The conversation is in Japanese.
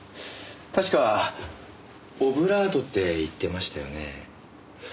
確かオブラートって言ってましたよね。